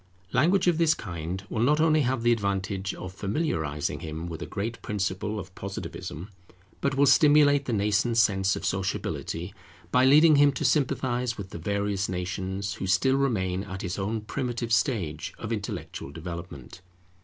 Language of this kind will not only have the advantage of familiarizing him with a great principle of Positivism, but will stimulate the nascent sense of sociability, by leading him to sympathize with the various nations who still remain at his own primitive stage of intellectual development.